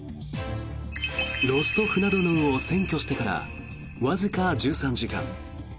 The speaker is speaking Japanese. ロストフナドヌーを占拠してからわずか１３時間。